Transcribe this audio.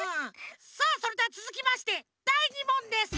さあそれではつづきましてだい２もんです。